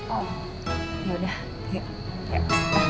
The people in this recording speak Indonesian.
oh ya udah yuk